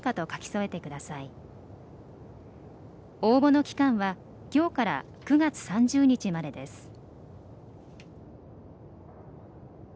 応募の期間はきょうから９月３０日までです。